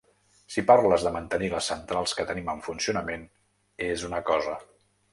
Si parles de mantenir les centrals que tenim en funcionament, és una cosa.